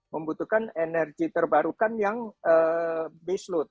membutuhkan energi terbarukan yang baseload